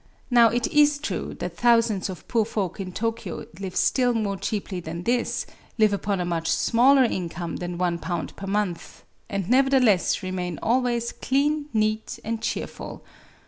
Now it is true that thousands of poor folk in Tokyo live still more cheaply than this, — live upon a much smaller income than ^i per month, — and nevertheless remain always clean, neat, and cheerful.